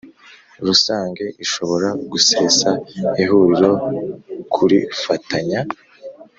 Rusange ishobora gusesa ihuriro kurifatanya